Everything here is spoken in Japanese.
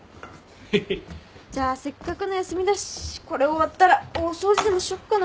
ヘヘッ。じゃあせっかくの休みだしこれ終わったら大掃除でもしよっかな。